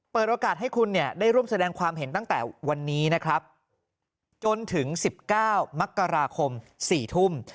เปิดโอกาสให้คุณเนี่ยได้ร่วมแสดงความเห็นตั้งแต่วันนี้นะครับจนถึง๑๙มกราคม๔ทุ่ม